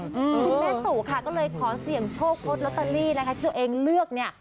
คือแม่สุค่าก็เลยขอเสี่ยงโชคโฆษ์ลอตเตอรี่ที่ตัวเองเลือกเนี่ย